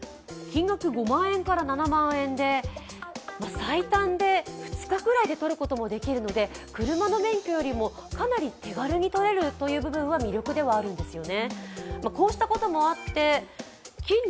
最短で２日くらいで取ることもできるので車の免許よりもかなる手軽に取れるという部分では魅力ではあるんですよね。